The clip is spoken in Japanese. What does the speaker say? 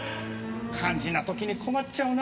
肝心な時に困っちゃうな。